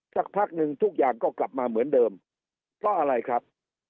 สักพักหนึ่งทุกอย่างก็กลับมาเหมือนเดิมเพราะอะไรครับ